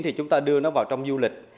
thì chúng ta đưa nó vào trong du lịch